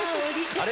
あれ？